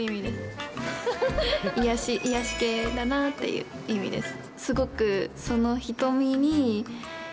癒やし系だなっていう意味です。